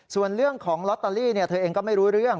ส่วนเรื่องของลอตเตอรี่เธอเองก็ไม่รู้เรื่อง